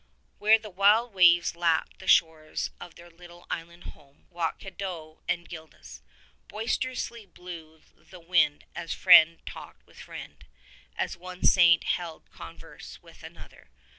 Where the wild waves lapped the shores of their little island home, walked Cadoc and Gildas. Boisterously blew the wind as friend talked with friend, as one Saint held con verse with another.